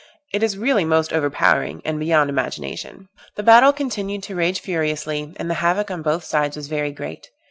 it is really most overpowering and beyond imagination." The battle continued to rage furiously, and the havoc on both sides was very great.